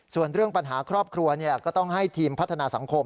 ส่วนเรื่องปัญหาครอบครัวก็ต้องให้ทีมพัฒนาสังคม